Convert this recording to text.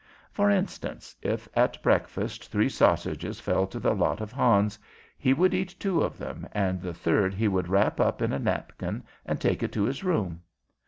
For instance, if at breakfast three sausages fell to the lot of Hans, he would eat two of them, and the third he would wrap up in a napkin, and take it to his room.